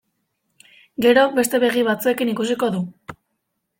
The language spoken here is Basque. Gero beste begi batzuekin ikusiko du.